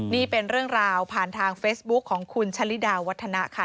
นี่เป็นเรื่องราวผ่านทางเฟซบุ๊คของคุณชะลิดาวัฒนะค่ะ